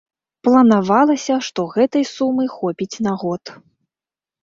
Планавалася, што гэтай сумы хопіць на год.